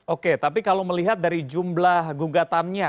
oke tapi kalau melihat dari jumlah gugatannya